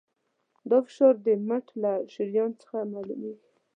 دا فشار د مټ له شریان څخه معلومېږي.